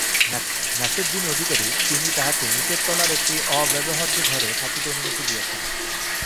মেসের যিনি অধিকারী তিনি তাহাকে নীচের তলার একটি অব্যবহার্য ঘরে থাকিতে অনুমতি দিয়াছেন।